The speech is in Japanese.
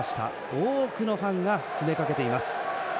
多くのファンが詰めかけています。